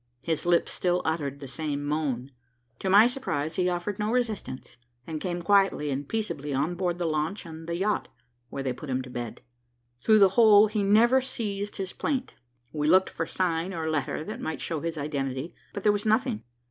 His lips still uttered the same moan. To my surprise, he offered no resistance, and came quietly and peaceably on board the launch and the yacht, where they put him to bed. Through the whole he never ceased his plaint. We looked for sign or letter that might show his identity, but there was nothing.